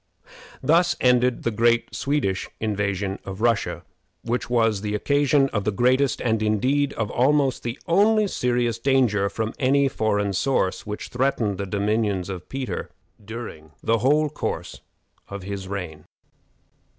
Thus ended the great Swedish invasion of Russia, which was the occasion of the greatest and, indeed, of almost the only serious danger, from any foreign source, which threatened the dominions of Peter during the whole course of his reign.